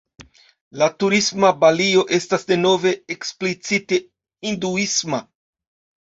La turisma Balio estas denove eksplicite hinduisma.